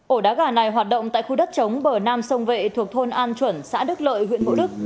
ổ đá gà này hoạt động tại khu đất chống bờ nam sông vệ thuộc thôn an chuẩn xã đức lợi huyện vũ đức